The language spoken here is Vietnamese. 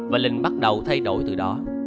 và linh bắt đầu thay đổi từ đó